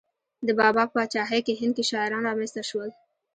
د بابا په پاچاهۍ کې هند کې شاعران را منځته شول.